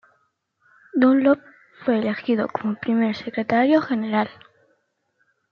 Dunlop fue elegido como primer secretario general.